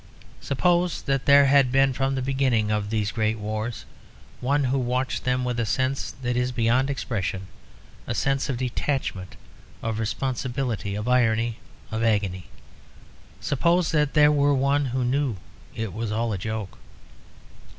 Suppose that there had been, from the beginning of these great wars, one who watched them with a sense that is beyond expression, a sense of detachment, of responsibility, of irony, of agony. Suppose that there were one who knew it was all a joke."